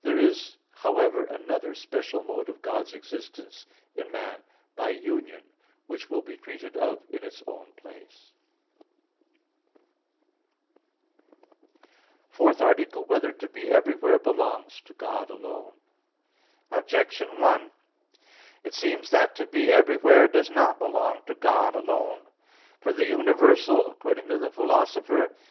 There is, however, another special mode of God's existence in man by union, which will be treated of in its own place (Part III). _______________________ FOURTH ARTICLE [I, Q. 8, Art. 4] Whether to Be Everywhere Belongs to God Alone? Objection 1: It seems that to be everywhere does not belong to God alone. For the universal, according to the Philosopher (Poster.